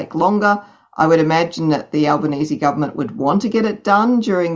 saya menganggap pemerintah albania ingin melakukannya pada waktu ini